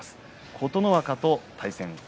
琴ノ若と対戦。